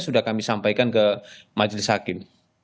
sudah kami sampaikan ke majelis hakim